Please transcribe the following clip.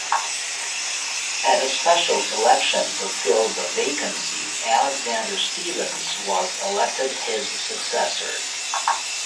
At a special election to fill the vacancy, Alexander Stephens was elected his successor.